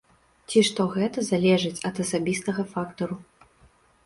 Ці што гэта залежыць ад асабістага фактару.